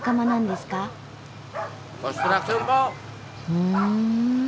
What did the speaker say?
ふん。